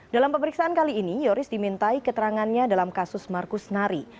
dalam pemeriksaan kali ini yoris dimintai keterangannya dalam kasus markus nari